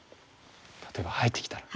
例えば入ってきたら。